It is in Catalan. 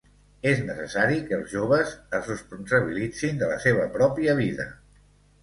És necessari que els joves es responsabilitzin de la seva pròpia vida.